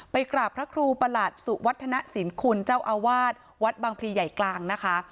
กราบพระครูประหลัดสุวัฒนสินคุณเจ้าอาวาสวัดบางพลีใหญ่กลางนะคะ